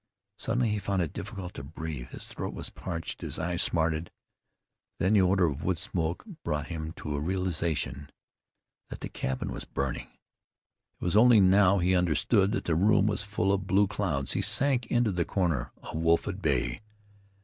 Suddenly he found it difficult to breathe; his throat was parched, his eyes smarted. Then the odor of wood smoke brought him to a realization that the cabin was burning. It was only now he understood that the room was full of blue clouds. He sank into the corner, a wolf at bay.